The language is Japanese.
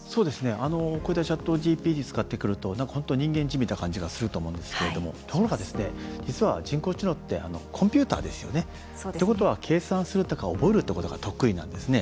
こういったＣｈａｔＧＰＴ使ってくるとなんか本当に人間じみた感じがすると思うんですけれどもところが実は、人工知能ってコンピューターですよね。ということは計算するとか覚えるということが得意なんですね。